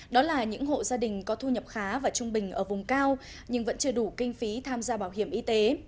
đó là những hộ gia đình có thu nhập khá và trung bình ở vùng cao nhưng vẫn chưa đủ kinh phí tham gia bảo hiểm y tế